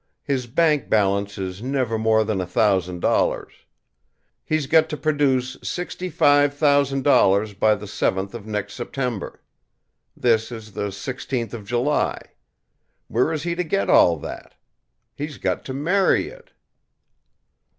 His bank balance is never more than a thousand dollars. He's got to produce sixty five thousand dollars by the seventh of next September. This is the sixteenth of July. Where is he to get all that? He's got to marry it."